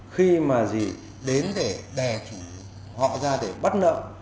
khi mà gì đến để đè họ ra để bắt nợ